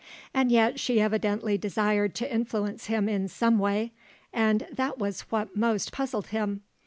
And yet she evidently desired to influence him in some way, and that was what most puzzled him.